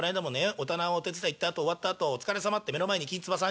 お店をお手伝い行ったあと終わったあとお疲れさまって目の前にきんつば３０